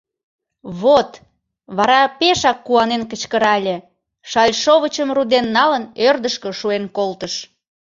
— Вот! — вара пешак куанен кычкырале, шальшовычым руден налын, ӧрдыжкӧ шуэн колтыш.